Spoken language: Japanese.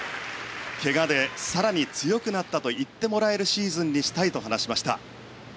けがで更に強くなったと言ってもらえるシーズンにしたいと話しました。